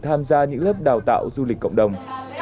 tham gia những lớp đào tạo du lịch cộng đồng